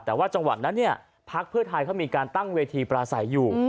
แต่ว่าจังหวัดนั้นเนี่ยพักเพื่อไทยเขามีการตั้งเวทีปราศัยอยู่